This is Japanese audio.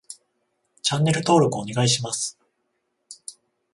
チャンネル登録お願いします